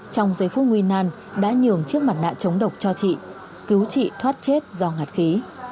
trong giây phút nguy nan đã nhường trước mặt nạ chống độc cho chị cứu chị thoát chết do ngạt khí